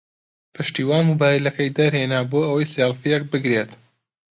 پشتیوان مۆبایلەکەی دەرهێنا بۆ ئەوەی سێڵفییەک بگرێت.